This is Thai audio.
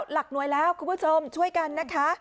หลักหน่วยแล้วคุณผู้ชมช่วยกันนะคะ